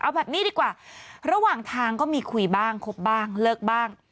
เอาแบบนี้ดีกว่าระหว่างทางก็มีคุยบ้างคบบ้างเลิกบ้าง